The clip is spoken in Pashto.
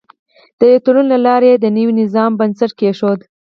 د یوه تړون له لارې یې د نوي نظام بنسټ کېښود.